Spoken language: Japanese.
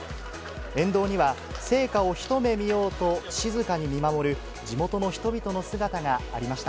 沿道には、聖火を一目見ようと、静かに見守る地元の人々の姿がありました。